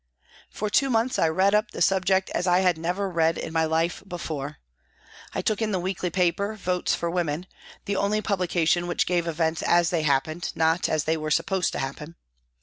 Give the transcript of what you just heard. " For two months I " read up " the subject as I had never read in my life before ; I took in the weekly paper Votes for Women, the only publication which gave events as they happened, not as they were supposed to happen.